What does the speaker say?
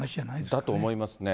だと思いますね。